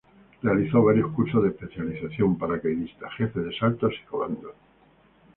Realizó varios cursos de especialización, paracaidista, Jefe de Saltos y Comandos.